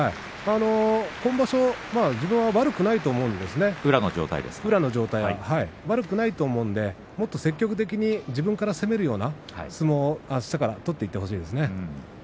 今場所は宇良は自分は悪くないと思うんですがもっと積極的に自分から攻めるような相撲をあしたから取っていってほしいですね。